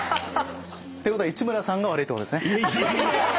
ってことは市村さんが悪いってことですね。